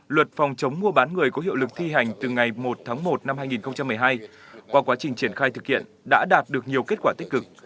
luật phòng chống mua bán người có hiệu lực thi hành từ ngày một tháng một năm hai nghìn một mươi hai qua quá trình triển khai thực hiện đã đạt được nhiều kết quả tích cực